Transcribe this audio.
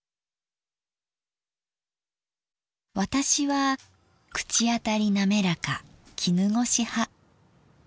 私は口当たり滑らか絹ごし派。